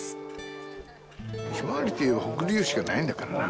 ひまわりといえば北竜しかないんだからな。